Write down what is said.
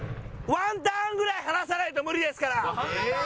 １ターンぐらい離さないと無理ですから。